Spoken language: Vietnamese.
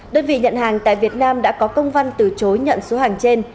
đơn vị nhận hàng tại việt nam đã có công văn từ chối nhận số hàng trên